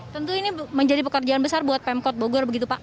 tentu ini menjadi pekerjaan besar buat pemkot bogor begitu pak